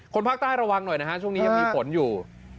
ภาคใต้ระวังหน่อยนะฮะช่วงนี้ยังมีฝนอยู่